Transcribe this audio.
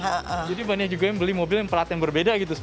jadi banyak juga yang beli mobil yang perat yang berbeda gitu